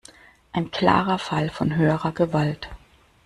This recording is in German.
Ein klarer Fall von höherer Gewalt.